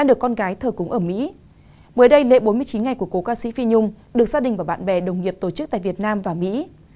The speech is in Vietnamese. mới đây lễ bốn mươi chín ngày của cô ca sĩ phi nhung được gia đình và bạn bè đồng nghiệp tổ chức tại việt nam và mỹ